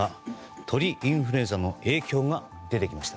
鳥インフルエンザの影響が出てきました。